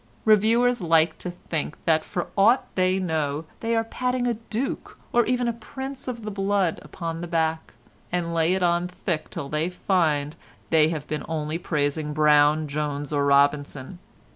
Reviewers like to think that for aught they know they are patting a Duke or even a Prince of the blood upon the back, and lay it on thick till they find they have been only praising Brown, Jones or Robinson.